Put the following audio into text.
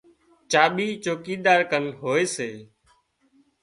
چاٻي چوڪيدار ڪن هوئي سي